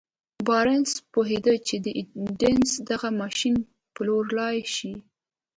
بارنس پوهېده چې د ايډېسن دغه ماشين پلورلای شي.